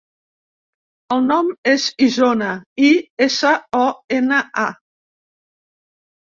El nom és Isona: i, essa, o, ena, a.